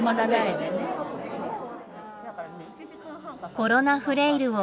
コロナフレイルを防ぐ。